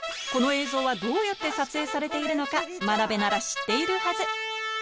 この映像はどうやって撮影されているのか真鍋なら知っているはず